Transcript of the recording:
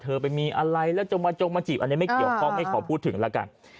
เธอไปมีอะไรแล้วจงมาจงมาจีบอันนี้ไม่เกี่ยวข้องไม่ขอพูดถึงแล้วกัน